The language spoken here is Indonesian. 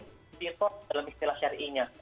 di report dalam istilah syari'inya